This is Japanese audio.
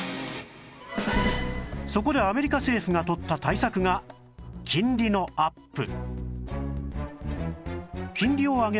そこでアメリカ政府が取った対策が金利のアップ